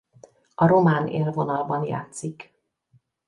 A román élvonalban játszik.